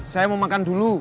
saya mau makan dulu